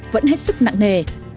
vẫn hết sức nặng nề